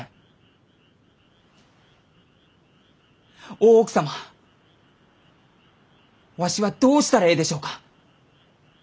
大奥様わしはどうしたらえいでしょうか？